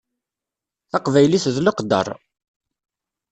Taqbaylit d leqder.